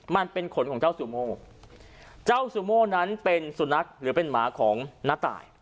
มันเป็นขนของเจ้าซูโมเจ้าซูโม่นั้นเป็นสุนัขหรือเป็นหมาของน้าตาย